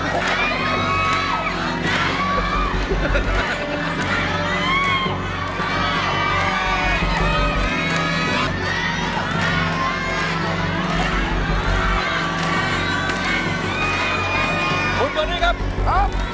คุณโบนี่ครับครับ